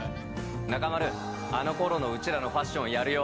中丸、あのころのうちらのファッションやるよ。